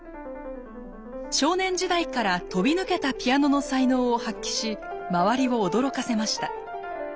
少年時代から飛び抜けたピアノの才能を発揮し周りを驚かせました。